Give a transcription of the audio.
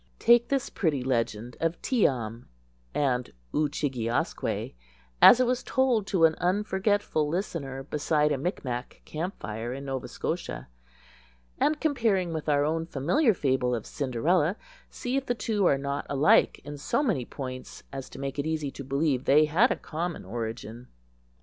Take this pretty legend of Tee am and Oo chig e asque as it was told to an unforgetful listener beside a Mic Mac camp fire in Nova Scotia, and, comparing with our own familiar fable of Cinderella, see if the two are not alike in so many points as to make it easy to believe they had a common origin.